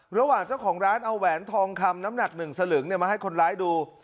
ระหว่างเจ้าของร้านเอาแหวนทองคำน้ำหนัก๑สลึงมาให้คนร้ายดู